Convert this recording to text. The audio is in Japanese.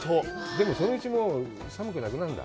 でもそのうち寒くなくなるんだ。